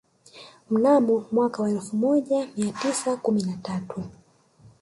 Mnamo mwaka wa elfu moja mia tisa kumi na tatu